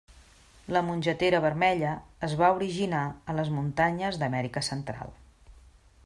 La mongetera vermella es va originar a les muntanyes d'Amèrica central.